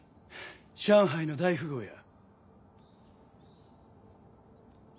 上海の大富豪や。